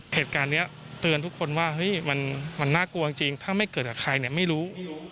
เหตุการณ์นี้เตือนทุกคนว่าเฮ้ยมันน่ากลัวจริงถ้าไม่เกิดกับใครเนี่ยไม่รู้